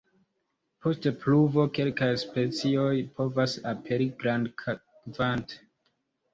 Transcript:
Post pluvo kelkaj specioj povas aperi grandkvante.